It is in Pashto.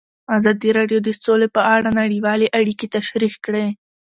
ازادي راډیو د سوله په اړه نړیوالې اړیکې تشریح کړي.